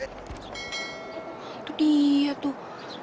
itu dia tuh